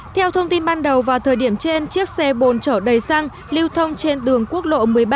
theo thông tin ban đầu vào thời điểm trên chiếc xe bồn chở đầy xăng lưu thông trên đường quốc lộ một mươi ba